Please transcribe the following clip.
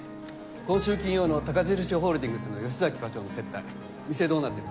今週金曜のタカ印ホールディングスの吉崎課長の接待店どうなってる？